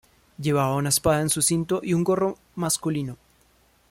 Llevaba una espada en su cinto y un gorro masculino.